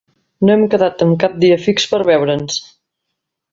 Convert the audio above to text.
No hem quedat en cap dia fix per veure'ns.